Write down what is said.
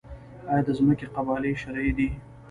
آیا د ځمکې قبالې شرعي دي؟